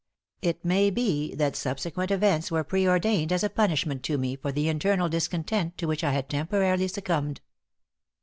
It may be that subsequent events were preordained as a punishment to me for the internal discontent to which I had temporarily succumbed.